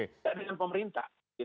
tidak dengan pemerintah